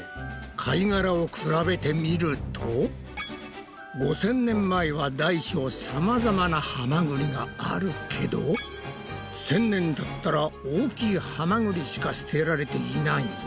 貝がらを比べてみると５０００年前は大小さまざまなハマグリがあるけど１０００年たったら大きいハマグリしか捨てられていないな！